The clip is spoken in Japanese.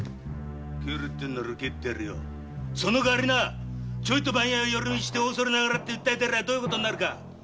その代わりなチョイと番屋へ寄り道して「恐れながら」と訴え出りゃどういうことになるか。